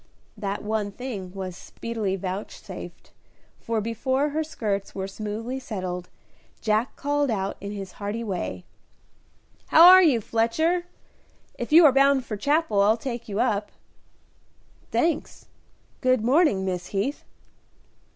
That one thing was speedily vouchsafed, for before her skirts were smoothly settled, Jack called out, in his hearty way, "How are you, Fletcher? If you are bound for Chapel I'll take you up." "Thanks; good morning, Miss Heath."